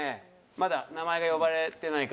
まだ名前が呼ばれてない方。